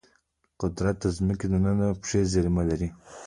قدرت د ځمکې دننه پټې زیرمې لري.